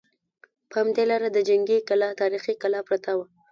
په همدې لاره د جنګي کلا تاریخي کلا پرته وه.